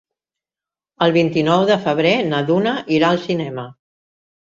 El vint-i-nou de febrer na Duna irà al cinema.